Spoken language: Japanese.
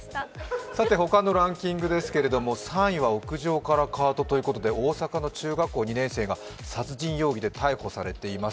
他のランキングですけれども３位は屋上からカートということで大阪の中学校２年生が殺人容疑で逮捕されています。